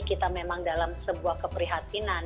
kita memang dalam sebuah keprihatinan